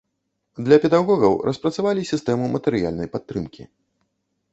Для педагогаў распрацавалі сістэму матэрыяльнай падтрымкі.